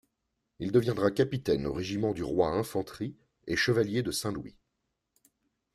Il deviendra capitaine au Régiment du Roi-Infanterie et chevalier de Saint-Louis.